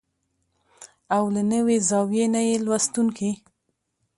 او له نوې زاويې نه يې لوستونکي